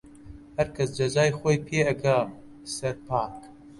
هەرکەس جەزای خۆی پێ ئەگا سەرپاک